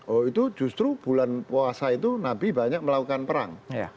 oh itu justru bulan puasa itu nabi banyak melakukan perang